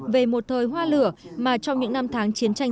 về một thời hoa lửa mà trong những năm tháng chiến tranh